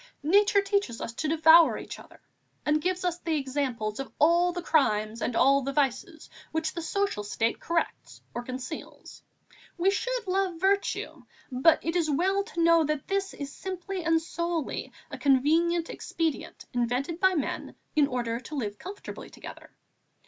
Nature teaches us to devour each other and gives us the example of all the crimes and all the vices which the social state corrects or conceals. We should love virtue; but it is well to know that this is simply and solely a convenient expedient invented by men in order to live comfortably together.